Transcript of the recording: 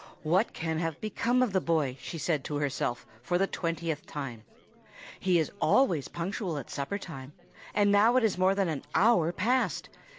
"What can have become of the boy?" she said to herself for the twentieth time. "He is always punctual at supper time; and now it is more than an hour past.